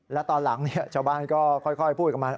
แล้วตอนหลังชาวบ้านก็ค่อยพูดกันมา